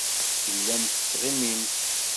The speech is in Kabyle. Tellamt tettɣimimt.